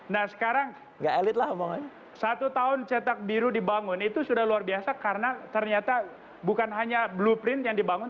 nah sekarang satu tahun cetak biru dibangun itu sudah luar biasa karena ternyata bukan hanya blueprint yang dibangun